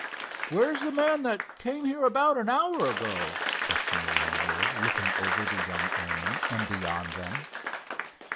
"Where's the man that came here about an hour ago?" questioned the landlord, looking over the young airmen and beyond them.